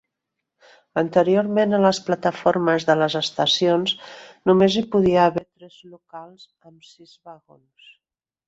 Anteriorment a les plataformes de les estacions només hi podia haver trens locals amb sis vagons.